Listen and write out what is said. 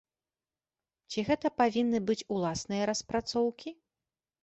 Ці гэта павінны быць уласныя распрацоўкі?